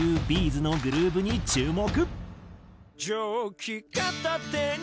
’ｚのグルーヴに注目。